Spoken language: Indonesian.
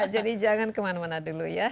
jadi jangan kemana mana dulu ya